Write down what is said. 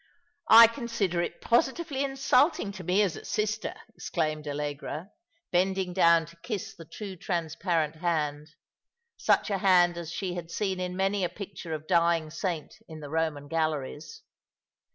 " I consider it positively insulting to me as a sister," ex claimed Allegra, bending down to kiss the too transparent hand — such a hand as she had seen in many a picture of dying saint in the Eoman galleries.